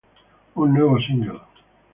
Un nuevo single.